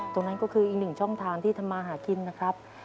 ตรงนั้นก็คืออีกหนึ่งช่องทางที่ทำมาหากินนะครับ